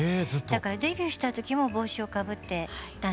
だからデビューした時も帽子をかぶってたんですよ。